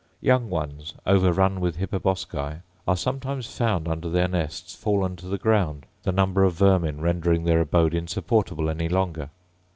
Young ones, over run with hippoboscae, are sometimes found, under their nests, fallen to the ground: the number of vermin rendering their abode insupportable any longer.